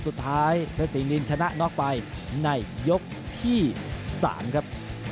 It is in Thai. สุดท้ายเพชรศรีนินชนะน็อกไปในยกที่๓ครับ